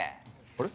あれ？